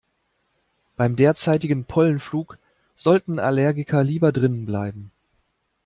Beim derzeitigen Pollenflug sollten Allergiker lieber drinnen bleiben.